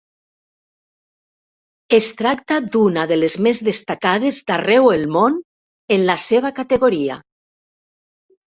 Es tracta d'una de les més destacades d'arreu el món en la seva categoria.